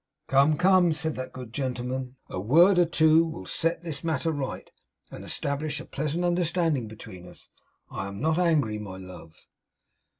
'Come, come,' said that good gentleman, 'a word or two will set this matter right, and establish a pleasant understanding between us. I am not angry, my love.